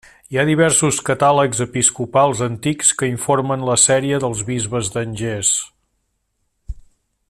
Hi ha diversos catàlegs episcopals antics que informen la sèrie dels bisbes d'Angers.